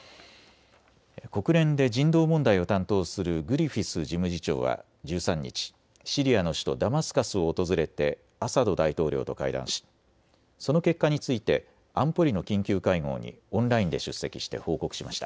国連で人道問題を担当するグリフィス事務次長は１３日、シリアの首都ダマスカスを訪れてアサド大統領と会談しその結果について安保理の緊急会合にオンラインで出席して報告しました。